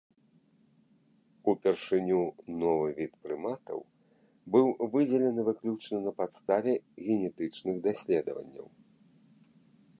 Упершыню новы від прыматаў быў выдзелены выключна на падставе генетычных даследаванняў.